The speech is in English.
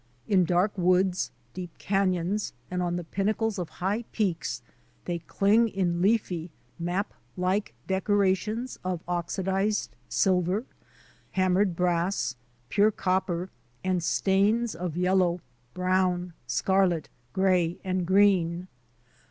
In dark woods, deep canons, and on the pinnacles of high peaks they cling in leafy, maplike decora tions of oxidized silver, hammered brass, pure cop per, and stains of yellow, brown, scarlet, gray, and green.